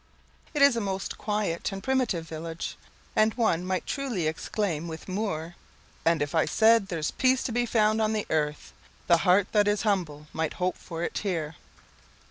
It is a most quiet and primitive village, and one might truly exclaim with Moore "And I said if there's peace to be found on the earth, The heart that is humble might hope for it here."